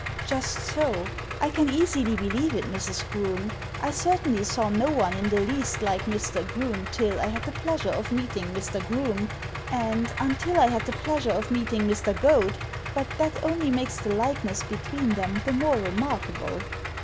"Just so; I can easily believe it, Mrs. Groome. I certainly saw no one in the least like Mr. Groome till I had the pleasure of meeting Mr. Groome, and until I had the pleasure of meeting Mr. Goad, but that only makes tiie likeness between them the more remarkable."